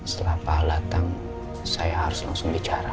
setelah pak al datang saya harus langsung bicara